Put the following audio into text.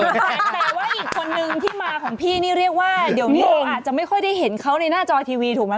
แต่ว่าอีกคนนึงที่มาของพี่นี่เรียกว่าเดี๋ยวนี้เราอาจจะไม่ค่อยได้เห็นเขาในหน้าจอทีวีถูกไหม